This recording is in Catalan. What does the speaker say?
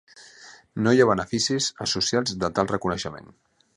No hi ha beneficis associats de tal reconeixement.